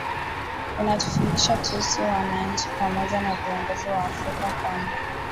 unatufundisha tu si wananchi pamoja na viongozi wa afrika kwamba